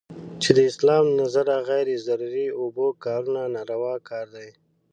چې د اسلام له نظره غیر ضروري اوبو کارونه ناروا کار دی.